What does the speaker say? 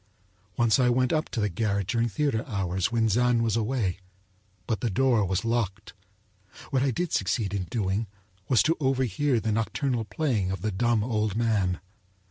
Once I went up to the garret during theater hours, when Zann was away, but the door was locked. What I did succeed in doing was to overhear the nocturnal playing of the dumb old man.